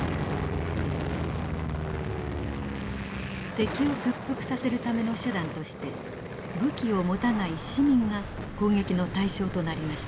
敵を屈服させるための手段として武器を持たない市民が攻撃の対象となりました。